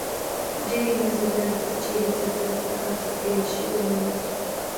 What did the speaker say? ډېرې مزهدارې کلچې، د زردالو په تار کې پېل شوې مندکې